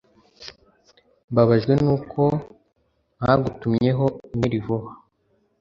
Mbabajwe nuko ntagutumyeho imeri vuba